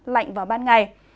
lạnh vào ban ngày